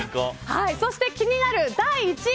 そして気になる第１位。